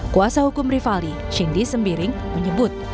kuasa hukum rivaldi shindi sembiring menyebut